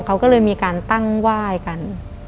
เขาก็เลยมีการตั้งไหว้กัน